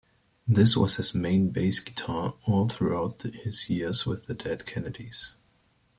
This was his main bass guitar all throughout his years with the Dead Kennedys.